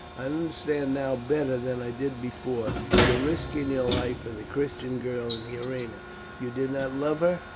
I understand now better than I did before, your risking your life for the Christian girl in the arena. You did not love her?"